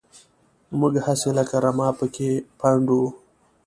موږ هسې لکه رمه پکې پنډ وو.